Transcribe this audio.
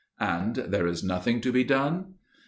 "And there is nothing to be done?"